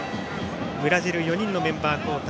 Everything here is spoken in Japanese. ブラジル４人のメンバー交代。